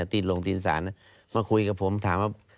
อะติดลงตีนสารอะมาคุยกับผมถามว่า